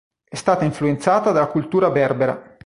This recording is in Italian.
È stata influenzata dalla cultura berbera.